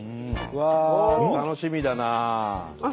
うわ楽しみだなあ。